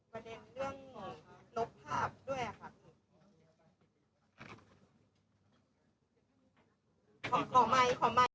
ประเด็นเรื่องลบภาพด้วยค่ะ